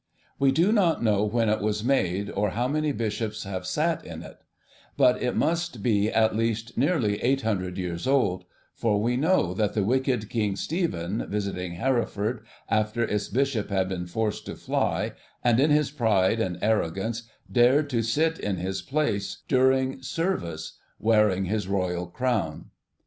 We do not know when it was made, or how many Bishops have sat in it, but it must be at least nearly eight hundred years old, for we know that the wicked King Stephen visited Hereford, after its Bishop had been forced to fly, and in his pride and arrogance dared to sit in his place during Service, wearing his Royal crown.